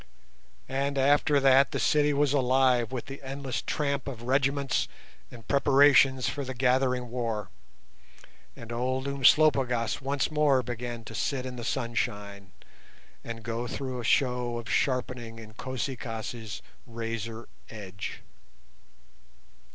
And after that the city was alive with the endless tramp of regiments and preparations for the gathering war, and old Umslopogaas once more began to sit in the sunshine and go through a show of sharpening Inkosi kaas's razor edge.